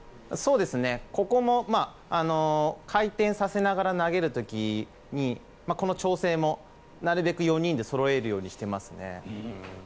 ここも回転させながら投げる時に調整もなるべく４人でそろえるようにしてますね。